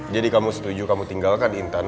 jadi kamu setuju kamu tinggalkan intan